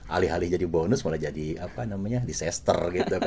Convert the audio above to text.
alih alih jadi bonus malah jadi disaster